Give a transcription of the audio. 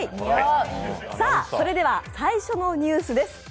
それでは最初のニュースです。